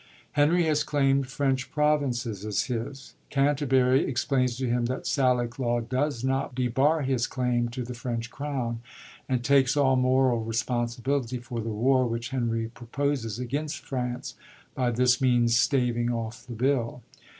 Henry has claimd French provinces as his ; Canterbury explains to him that Salic Law does not debar his claim to the French crown, and takes all moral responsibility for the war which Henry proposes against France, by this means staving off the bill.